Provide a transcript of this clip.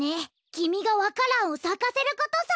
きみがわか蘭をさかせることさ！